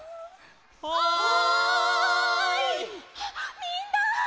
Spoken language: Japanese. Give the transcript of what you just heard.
みんな！